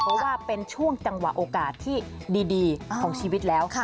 เพราะว่าเป็นช่วงจังหวะโอกาสที่ดีของชีวิตแล้ว